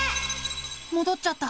もどっちゃった。